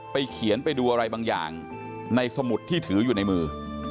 เขียนไปดูอะไรบางอย่างในสมุดที่ถืออยู่ในมือ